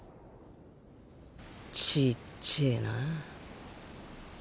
ちっちぇな。